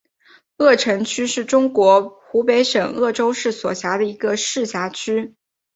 鄂城区是中国湖北省鄂州市所辖的一个市辖区。